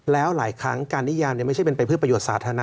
แล้วหลายครั้งการนิยามไม่ใช่เป็นไปเพื่อประโยชนสาธารณะ